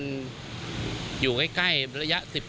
ที่อยู่ใกล้ระยะ๑๐กิโลกรัม